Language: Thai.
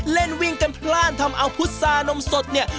เล่นวิ่งกันพลาดทำเอาพุษานมสดเนี่ย